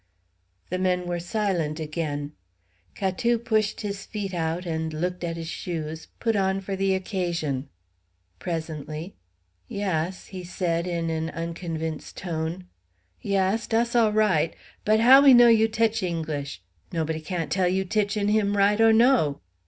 The men were silent again. Catou pushed his feet out, and looked at his shoes, put on for the occasion. Presently "Yass," he said, in an unconvinced tone; "yass, dass all right: but how we know you titch English? Nobody can't tell you titchin' him right or no."